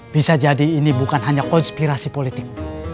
bisa jadi ini bukan hanya konspirasi politik